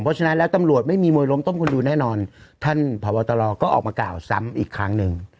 เพราะฉะนั้นแล้วตำรวจไม่มีมวยล้มต้มคนดูแน่นอนท่านพบตรก็ออกมากล่าวซ้ำอีกครั้งหนึ่ง